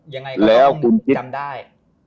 ยังไงก็ต้องจำได้